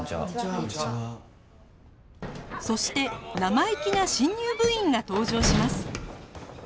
そして生意気な新入部員が登場します